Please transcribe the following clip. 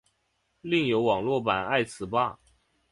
另有网络版爱词霸。